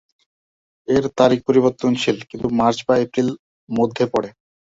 এর তারিখ পরিবর্তনশীল, কিন্তু মার্চ বা এপ্রিল মধ্যে পড়ে।